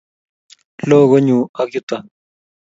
Lo Konnyu ak yutok